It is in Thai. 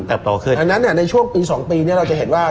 ดังนั้นในช่วงปี๒ปีเราจะเห็นว่า